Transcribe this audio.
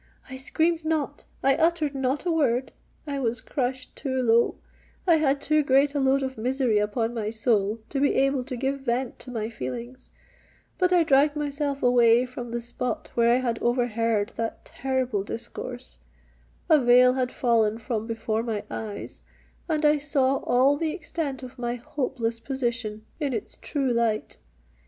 I screamed not,—I uttered not a word: I was crushed too low—I had too great a load of misery upon my soul to be able to give vent to my feelings; but I dragged myself away from the spot where I had overheard that terrible discourse,—a veil had fallen from before my eyes, and I saw all the extent of my hopeless position in its true light.